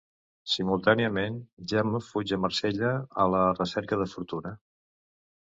Simultàniament Jaume fuig a Marsella a la recerca de fortuna.